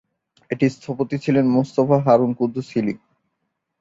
এটির স্থপতি ছিলেন মোস্তফা হারুন কুদ্দুস হিলি।